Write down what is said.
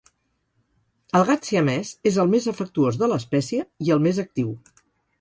El gat siamès és el més afectuós de l'espècie i el més actiu.